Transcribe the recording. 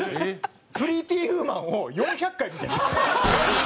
『プリティ・ウーマン』を４００回見てるんですよ。